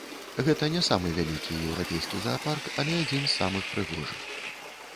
Гэта не самы вялікі еўрапейскі заапарк, але адзін з самых прыгожых.